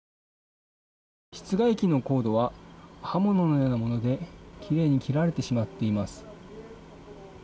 室外機のコードは刃物のようなものできれいに切られてしまっています。